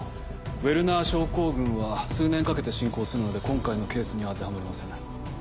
ウェルナー症候群は数年かけて進行するので今回のケースには当てはまりません。